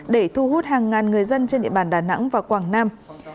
để thu hút hàng ngàn người dân trên địa bàn đà nẵng và quảng nam